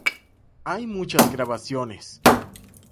Hay muchas grabaciones.